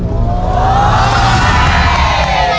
หุบครับหุบครับ